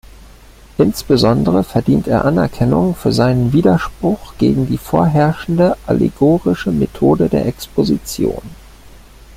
Insbesondere verdient er Anerkennung für seinen Widerspruch gegen die vorherrschende allegorische Methode der Exposition.